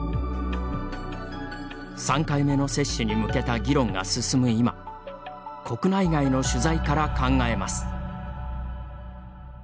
３回目の接種に向けた議論が進む今国内外の取材から考えます。